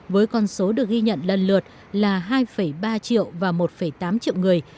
với con số được ghi nhận lần lượt là hai ba triệu và một tám triệu người